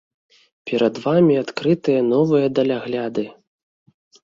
Перад вамі адкрытыя новыя далягляды.